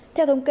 theo thống kê